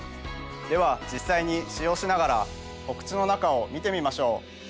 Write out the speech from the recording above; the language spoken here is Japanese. では実際に使用しながらお口の中を見てみましょう。